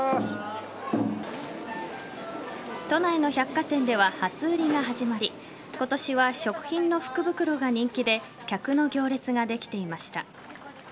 都内の百貨店では初売りが始まり今年は食品の福袋が人気で客の行列ができていました。